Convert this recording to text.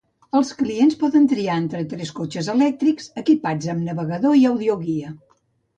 Els clients poden triar entre tres cotxes elèctrics equipats amb navegador i audioguia.